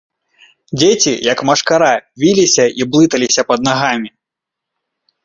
Дзеці, як машкара, віліся і блыталіся пад нагамі.